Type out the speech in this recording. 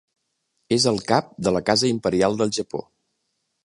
És el cap de la casa imperial del Japó.